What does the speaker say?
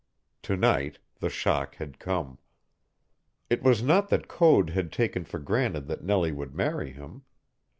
To night the shock had come. It was not that Code had taken for granted that Nellie would marry him.